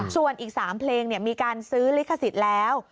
ส่วนอีก๓เพลงมีการซื้อลิขสิทธิ์แล้ว